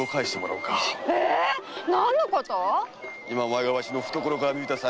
お前がわしの懐から抜いた財布だ。